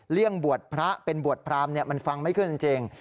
เลี่ยงบวชพระเป็นบวชพรามมันฟังไม่เคยจริง